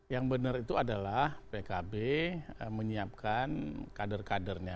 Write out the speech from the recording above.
yang benar itu adalah pkb menyiapkan kader kadernya